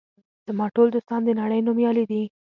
زما ټول دوستان د نړۍ نومیالي دي.